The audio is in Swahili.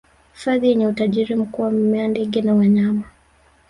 hifadhi yenye utajiri mkubwa wa mimea ndege na wanyama